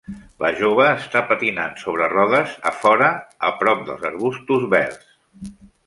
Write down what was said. La jove està patinant sobre rodes a fora, a prop dels arbustos verds.